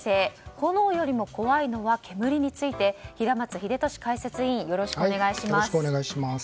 炎よりも怖いのは煙について平松秀敏解説員お願いします。